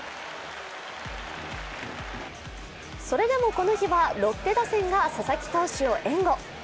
それでも、この日はロッテ打線が佐々木投手を援護。